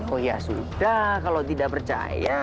oh ya sudah kalau tidak percaya